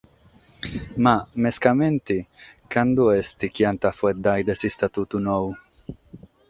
Ma, mescamente, cando est chi ant a faeddare de Istatutu nou?